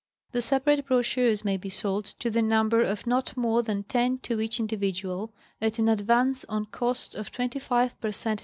The separate brochures may be sold, to the number of not more than ten to each individual, at an advance on cost of 25 per cent.